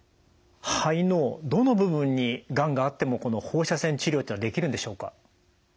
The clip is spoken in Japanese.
肺のどの部分にがんがあってもこの放射線治療っていうのはできるんでしょうか？